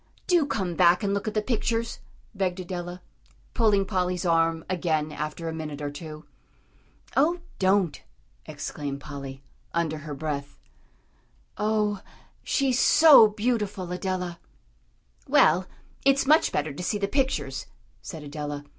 "Do come back and look at the pictures," begged Adela, pulling Polly's arm again after a minute or two. "Oh, don't!" exclaimed Polly, under her breath. "Oh, she's so beautiful, Adela!" "Well, it's much better to see the pictures," said Adela.